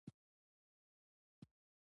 څه د پاسه دوې بجې وې.